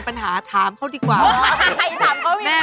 เอาอย่างนี้มาคนนี้แม่